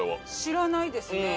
知らないですね。